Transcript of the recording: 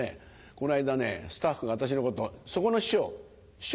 この間ねスタッフが私のことを「そこの師匠師匠！